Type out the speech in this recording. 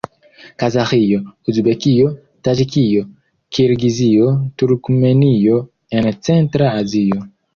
Kazaĥio, Uzbekio, Taĝikio, Kirgizio, Turkmenio en centra Azio.